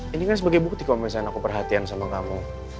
ini kan sebagai bukti kalau misalnya aku perhatian sama kamu